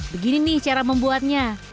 begini nih cara membuatnya